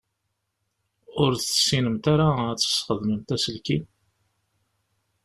Ur tessinemt ara ad tesxedmemt aselkim?